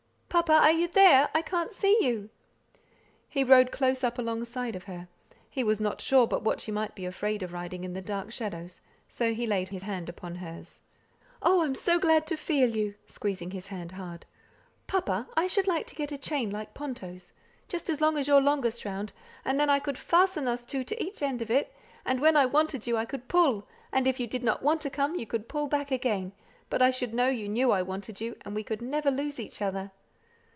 Papa! are you there? I can't see you." He rode close up alongside of her: he was not sure but what she might be afraid of riding in the dark shadows, so he laid his hand upon hers. "Oh! I am so glad to feel you," squeezing his hand hard. "Papa, I should like to get a chain like Ponto's, just as long as your longest round, and then I could fasten us two to each end of it, and when I wanted you I could pull, and if you didn't want to come, you could pull back again; but I should know you knew I wanted you, and we could never lose each other."